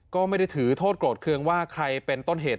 ก็ไม่ได้ถือโทษโกรธเครื่องว่าใครเป็นต้นเหตุ